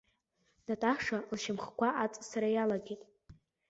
Наташа лшьамхқәа аҵысра иалагеит.